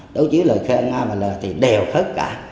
đấu trí với lời khai của nam và tâm thì đều hết cả